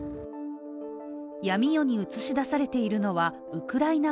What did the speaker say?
闇夜に映し出されているのは、ウクライナ